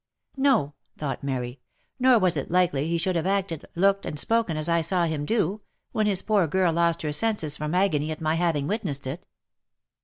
" No!" thought Mary. " Nor was it likely he should have acted, looked, and spoken as I saw him do, when his poor girl lost her senses from agony at my having witnessed it.